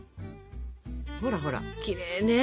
ほらほらきれいね。